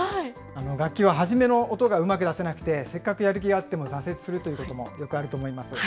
楽器は初めの音がうまく出せなくて、せっかくやる気があっても挫折するということもよくあると思います。